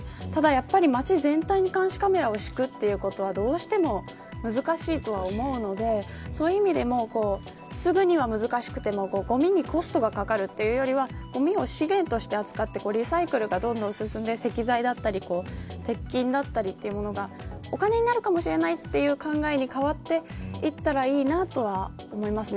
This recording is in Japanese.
ただやっぱり、街全体に監視カメラを敷くというのはどうしても難しいと思うのでそういう意味でもすぐには難しくても町にコストがかかるというよりはごみを資源として扱ってリサイクルが、どんどん進んで石材や鉄筋がお金になるかもしれないという考えに変わっていったらいいなとは思いますね。